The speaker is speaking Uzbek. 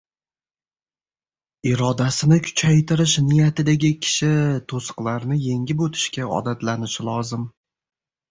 Irodasini kuchaytirish niyatidagi kishi to‘siqlarni yengib o‘tishga odatlanishi lozim.